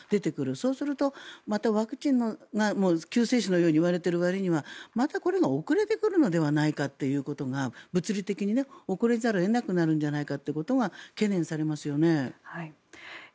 そうするとまたワクチンが救世主のようにいわれているわりにはまたこれが遅れてくるのではないかということが物理的に起こらざるを得ないということが懸念されますよね。